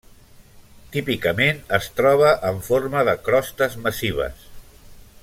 Típicament es troba en forma de crostes massives.